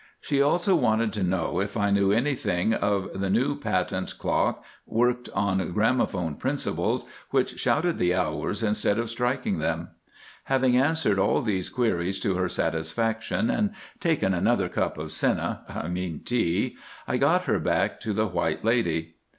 She also wanted to know if I knew anything of the new patent clock worked on gramophone principles which shouted the hours instead of striking them. Having answered all these queries to her satisfaction, and taken another cup of senna—I mean tea—I got her back to the White Lady.